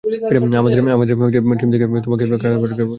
আমাদের টিম থেকে তোমাকে কানাডা পাঠানোর একটা অর্ডার পেয়েছি আমরা।